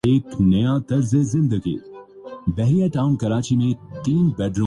اپنی جیکٹ اتار لو۔ ہم اس گھر میں تکلف نہیں کرتے